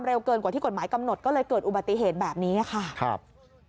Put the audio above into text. แล้วคนที่ขับรถอาจจะไม่ได้ระมัดระวัง